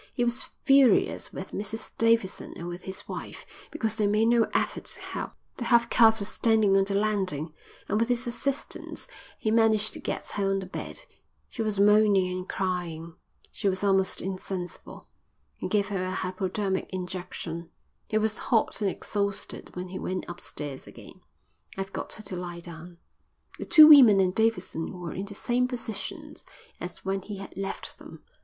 He was furious with Mrs Davidson and with his wife because they made no effort to help. The half caste was standing on the landing and with his assistance he managed to get her on the bed. She was moaning and crying. She was almost insensible. He gave her a hypodermic injection. He was hot and exhausted when he went upstairs again. "I've got her to lie down." The two women and Davidson were in the same positions as when he had left them.